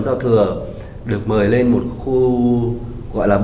rồi chúng tôi được mời lên một khu vùng xanh